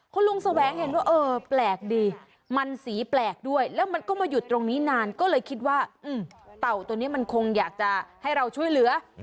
คุณลุงแสวงเห็นว่าเออแปลกดีมันสีแปลกด้วยแล้วมันก็มาหยุดตรงนี้นานก็เลยคิดว่าเต่าตัวนี้มันคงอยากจะให้เราช่วยเหลือ